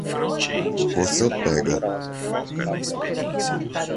Você pega